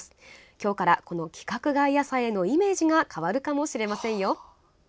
今日から、この規格外野菜へのイメージが変わるかもしれません。